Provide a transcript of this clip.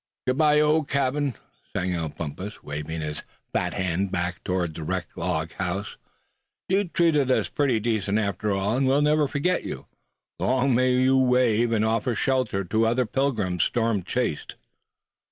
"Good bye old cabin!" sang out Bumpus, waving his fat hand back toward the wrecked log house; "you treated us pretty decent after all, and we'll never forget you. Long may you wave, and offer shelter to other pilgrims storm chased!"